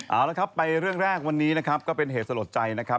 เอาละครับไปเรื่องแรกวันนี้นะครับก็เป็นเหตุสลดใจนะครับ